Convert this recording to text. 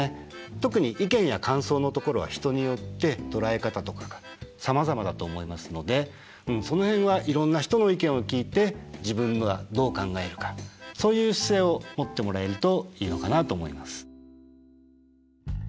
特に意見や感想のところは人によって捉え方とかがさまざまだと思いますのでその辺はそういう姿勢を持ってもらえるといいのかなと思います。